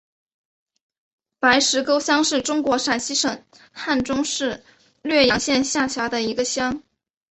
白石沟乡是中国陕西省汉中市略阳县下辖的一个乡。